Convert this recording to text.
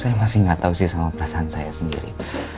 saya masih nggak tahu sih sama perasaan saya sendiri